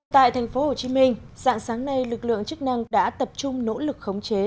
tại thành phố hồ chí minh dạng sáng nay lực lượng chức năng đã tập trung nỗ lực khống chế